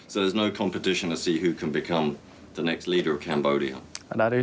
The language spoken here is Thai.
ซึ่งทำงานเชื่อมโยงกับภักดิ์